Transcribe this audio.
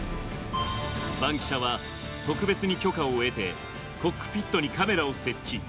バンキシャは、特別に許可を得て、コックピットにカメラを設置。